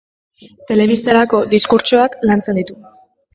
Telebistarako diskurtsoak lantzen ditu.